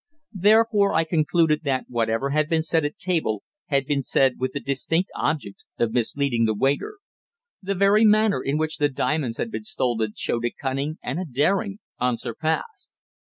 Therefore I concluded that whatever had been said at table had been said with the distinct object of misleading the waiter. The very manner in which the diamonds had been stolen showed a cunning and a daring unsurpassed.